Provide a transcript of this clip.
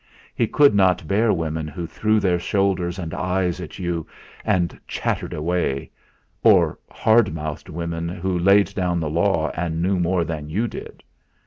He could not bear women who threw their shoulders and eyes at you, and chattered away; or hard mouthed women who laid down the law and knew more than you did.